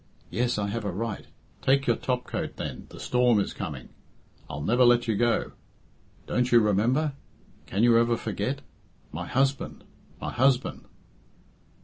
yes, I have a right take your topcoat, then, the storm is coming I'll never let you go don't you remember? can you ever forget my husband! my husband!"